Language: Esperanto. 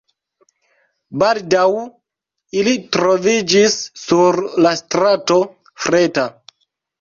Baldaŭ ili troviĝis sur la strato Freta.